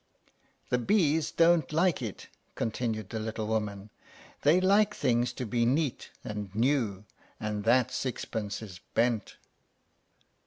"The bees don't like it," continued the little woman. "They like things to be neat and new, and that sixpence is bent."